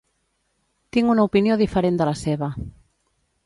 Tinc una opinió diferent de la seva.